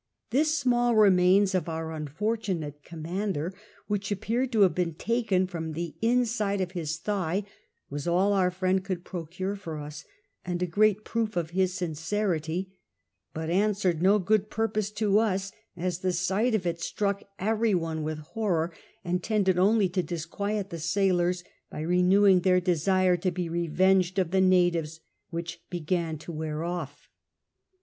This small remains of fiur iinhirtiiiiate Cfuiiiiiarider, whieh appeared to liavt; hf'cii taken from the inside of hi.s thigh, was all our fi iend cmild X»rocure for us, and a gnsit proof of his sincerity ; hut answeretl no goofl piir]«jse to ns, as the sight of it struck every one with horror, and tended only to disij^uiet the sailors, hy renewing their desire to he revenged of tlie natives, which began to wear off.